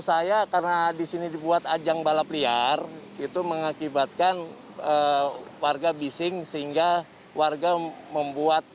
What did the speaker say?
saya karena disini dibuat ajang balap liar itu mengakibatkan warga bising sehingga warga membuat